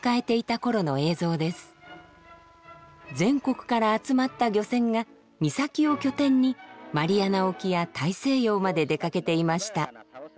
全国から集まった漁船が三崎を拠点にマリアナ沖や大西洋まで出かけていました。